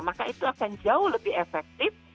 maka itu akan jauh lebih efektif